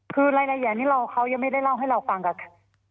คือรายละเอียดนี้เขายังไม่ได้เล่าให้เราฟังค่ะ